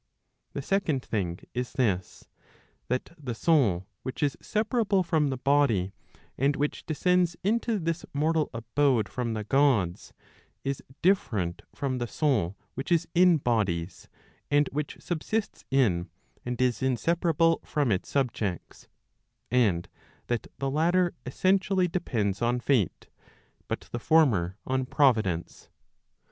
The second thing is this, that the soul which is separable from the body, and which descends into this mortal abode from the Gods, is different from the soul which is in bodies, and which subsists in, and is inseparable from its subjects; and that the latter essentially depends on Fate, but the former on Providence.